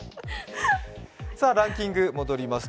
ランキングに戻ります。